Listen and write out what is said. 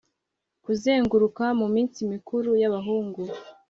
kuzenguruka muminsi mikuru y'abahungu